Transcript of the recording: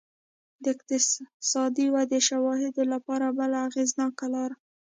د اقتصادي ودې شواهدو لپاره بله اغېزناکه لار